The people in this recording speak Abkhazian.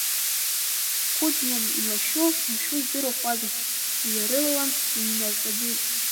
Қәыџьма млашьу, мшәу здырхуада, иҩарылалан иннарҵәаӡеит.